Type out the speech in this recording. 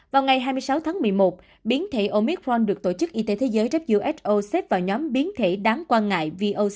vào ngày hai mươi sáu tháng một mươi một biến thể omicron được tổ chức y tế thế giới who xếp vào nhóm biến thể đáng quan ngại